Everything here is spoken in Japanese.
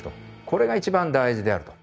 これが一番大事であると。